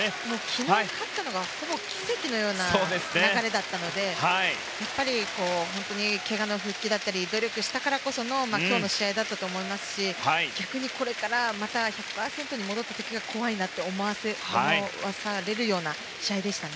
昨日、勝ったのがほぼ奇跡のような流れだったのでやっぱりけがの復帰だったり努力したからこその今日の試合だったと思いますし逆にこれからまた１００％に戻った時が怖いなと思わされるような試合でした。